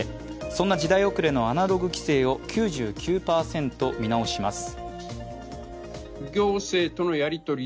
そんな時代おくれのアナログ規制を９９％見直します。